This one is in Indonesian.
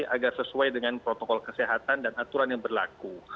agar sesuai dengan protokol kesehatan dan aturan yang berlaku